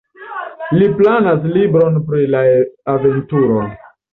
Li planas libron pri la aventuro.